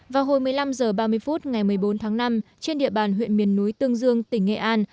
vào hồi một mươi năm h ba mươi phút ngày một mươi bốn tháng năm trên địa bàn huyện miền núi tương dương tỉnh nghệ an